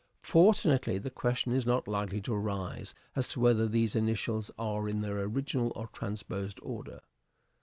Fortunately the question is not likely to arise as to whether these initials are in their original or transposed order.